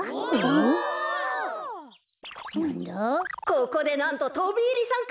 ここでなんととびいりさんかです。